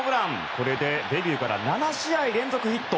これでデビューから７試合連続ヒット。